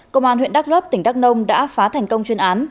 công an huyện đắk lấp tỉnh đắk nông đã phá thành công chuyên án